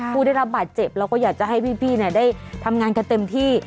ผู้ได้รับบาดเจ็บเราก็อยากจะให้พี่ได้ทำงานกันเต็มที่